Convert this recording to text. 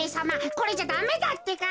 これじゃダメだってか。